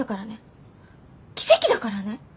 奇跡だからね。